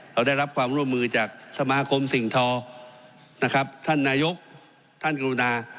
เราได้รับความร่วมมือจากสมาคมสิ่งทอนะครับท่านนายกท่านกรุณา